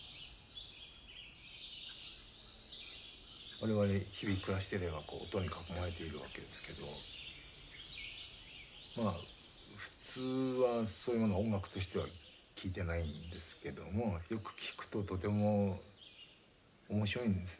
我々日々暮らしてれば音に囲まれているわけですけどまあ普通はそういうものは音楽としては聞いてないんですけどもよく聞くととても面白いんですよ。